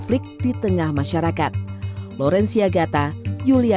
hanya dengan mempercayai hal hal yang sebetulnya